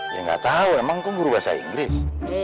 ya ga tau emang kong guru bahasa inggris